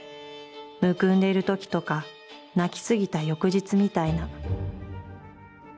むくんでいる時とか、泣きすぎた翌日みたいな、」。